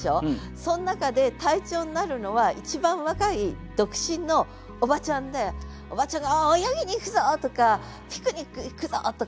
その中で隊長になるのは一番若い独身のおばちゃんでおばちゃんが「泳ぎに行くぞ！」とか「ピクニック行くぞ！」とか。